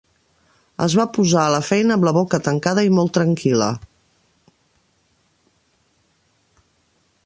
Es va posar a la feina amb la boca tancada i molt tranquil·la.